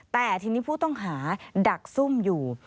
แต่ทีนี้ผู้ต้องหาดักซุ่มอยู่